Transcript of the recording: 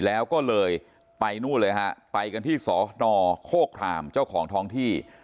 แล้วก็เลยไปไปกันที่ที่สนโคครามเจ้าของท้องที่